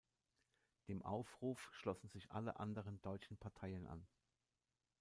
Dem Aufruf schlossen sich alle anderen deutschen Parteien an.